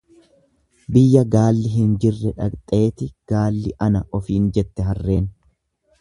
Biyya gaalli hin jirre dhaqxeeti gaalli ana ofiin jette harreen.